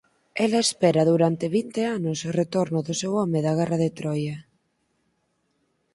Ela espera durante vinte anos o retorno do seu home da Guerra de Troia.